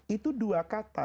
itu dua kata